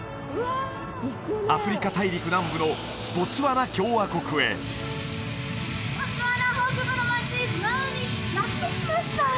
アフリカ大陸南部のボツワナ共和国へボツワナ北部の町マウンにやって来ました